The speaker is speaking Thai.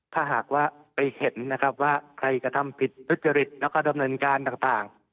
ถ้าหากว่าไปเห็นนะครับว่าใครกระทำผิดทุจริตแล้วก็ดำเนินการต่าง